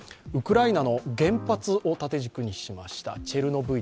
ウクライナの原発を縦軸にしました。